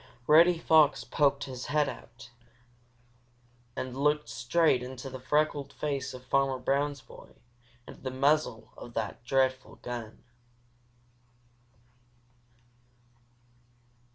Reddy Fox poked his head out and looked straight into the freckled face of Farmer Brown's boy and the muzzle of that dreadful gun!